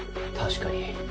確かに。